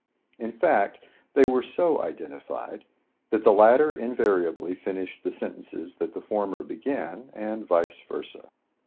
In fact, they were so identified, that the latter invariably finished the sentences that the former began, and vice versa.